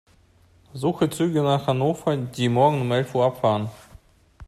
Suche Züge nach Hannover, die morgen um elf Uhr abfahren.